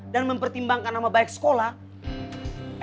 dan mempertimbangkan nama baik sekolah